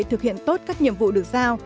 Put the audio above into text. thực hiện tốt các nhiệm vụ được giao